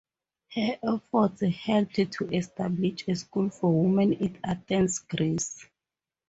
Her efforts helped to establish a school for women in Athens, Greece.